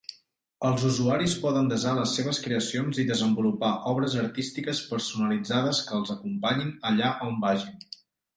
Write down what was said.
Els usuaris poden desar les seves creacions i desenvolupar obres artístiques personalitzades que els acompanyin allà on vagin.